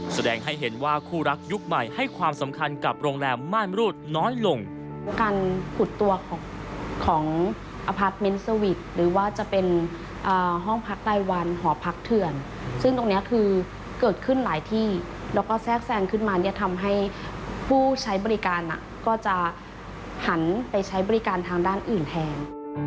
แสดงให้เห็นว่าคู่รักยุคใหม่ให้ความสำคัญกับโรงแรมมารมรูทย์น้อยลง